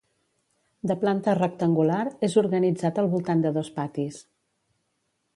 De planta rectangular, és organitzat al voltant de dos patis.